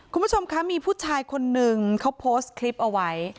คุณผู้ชมคะมีผู้ชายคนนึงเขาโพสต์คลิปเอาไว้